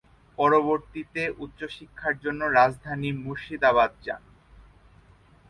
পরবর্তীতে উচ্চ শিক্ষার জন্য রাজধানী মুর্শিদাবাদ যান।